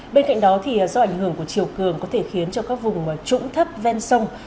bên cạnh đó do ảnh hưởng của chiều cường có thể khiến cho các vùng trũng thấp ven sông